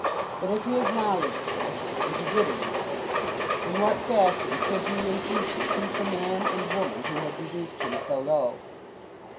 But, if he acknowledged this, and he did acknowledge it, in what fashion should he in future treat the man and woman who had reduced him so low?